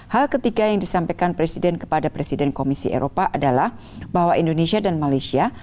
hal ketiga yang disampaikan presiden kepada presiden komisi eropa adalah bahwa indonesia dan malaysia